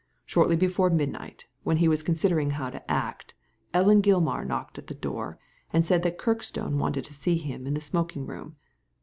Shortly before midnight, when he was considering how to act, Ellen Gilmar knocked at his door and said that Kirkstone wanted to see him in the smoking room.